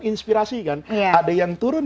inspirasi kan ada yang turun